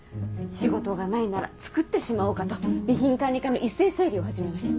仕事がないならつくってしまおうかと備品管理課の一斉整理を始めました。